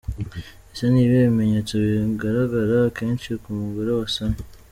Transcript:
Ese ni ibihe bimenyetso bigaragara akenshi ku mugore wasamye?.